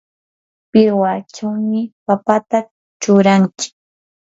pirwachawmi papata churanchik.